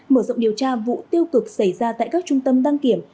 mở rộng điều tra vụ tiêu cực xảy ra tại các trung tâm đăng kiểm